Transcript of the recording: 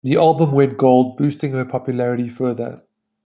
The album went gold, boosting her popularity further.